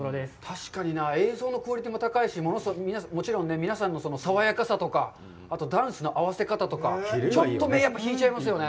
確かにな、確かに映像のクオリティーも高いし、もちろん皆さんの爽やかさとか、ダンスの合わせ方とか、ちょっと引いちゃいますよね。